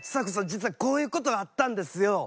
実はこういう事あったんですよ。